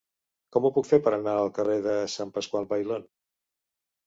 Com ho puc fer per anar al carrer de Sant Pasqual Bailón?